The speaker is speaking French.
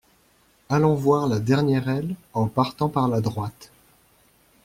Allons voir la dernière aile, en partant par la droite.